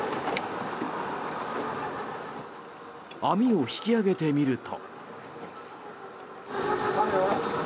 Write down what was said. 網を引き揚げてみると。